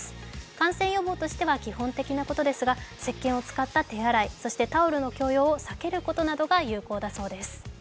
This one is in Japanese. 感染予防としては基本的なことですがせっけんをつかった手洗い、タオルの共用を避けることなどだそうです。